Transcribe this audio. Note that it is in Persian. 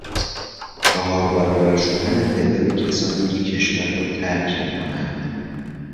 چهار برابر شدن تعداد کسانی که کشور را ترک میکنند